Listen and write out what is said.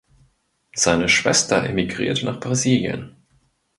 Seine Schwester emigrierte nach Brasilien.